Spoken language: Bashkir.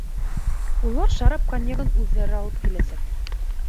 Улар шарап-коньягын үҙҙәре алып киләсәк.